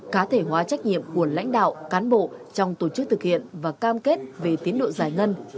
cá thể hóa trách nhiệm của lãnh đạo cán bộ trong tổ chức thực hiện và cam kết về tiến độ giải ngân